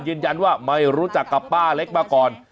ยืนยันว่าไม่รู้จักกับป้าเล็กมาก่อน